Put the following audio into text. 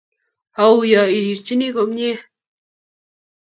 auyo irirchini komie